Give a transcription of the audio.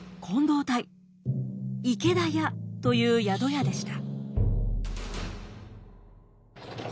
池田屋という宿屋でした。